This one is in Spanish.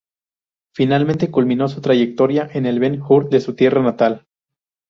Finalmente culminó su trayectoria en el Ben Hur de su tierra natal.